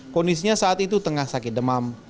kondisinya saat itu tengah sakit demam